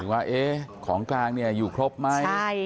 ถามถึงว่าของกลางอยู่ครบไหม